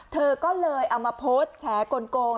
เธอก็เลยเอามาโพสต์แฉกลง